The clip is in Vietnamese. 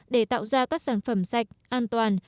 để tạo ra các sản phẩm sạch an toàn